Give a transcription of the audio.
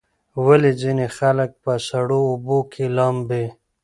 ولې ځینې خلک په سړو اوبو کې لامبي؟